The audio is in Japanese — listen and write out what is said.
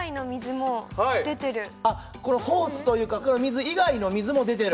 このホースというかこの水以外の水も出てる。